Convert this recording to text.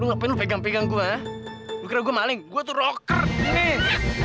lu ngapain lu pegang pegang gua lu kira gua maling gua tuh rocker nih